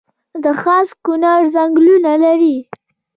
د خاص کونړ ځنګلونه لري